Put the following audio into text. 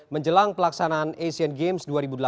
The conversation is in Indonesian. menjelang pelaksanaan asian games dua ribu delapan belas